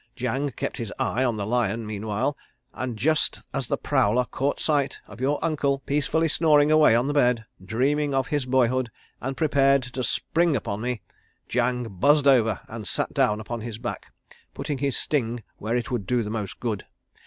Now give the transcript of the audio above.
Jang kept his eye on the lion meanwhile, and just as the prowler caught sight of your uncle peacefully snoring away on the bed, dreaming of his boyhood, and prepared to spring upon me, Jang buzzed over and sat down upon his back, putting his sting where it would do the most good.